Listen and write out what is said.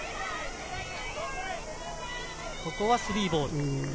ここは３ボール。